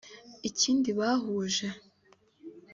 Ikindi bahuje